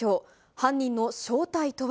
犯人の正体とは。